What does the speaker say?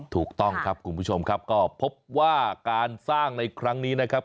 ถูกต้องครับคุณผู้ชมครับก็พบว่าการสร้างในครั้งนี้นะครับ